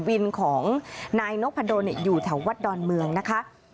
วินของนายนพดลอยู่แถววัดดอนเมืองนะคะ